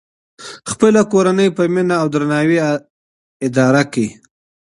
خپله کورنۍ په مینه او درناوي اداره کړئ.